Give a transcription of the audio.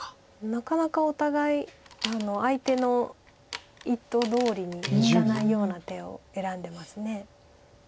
なかなかお互い相手の意図どおりにいかないような手を選んでます。